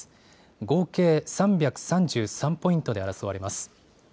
合計３３３ポイントで争われます。